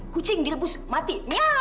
kucing dilebus mati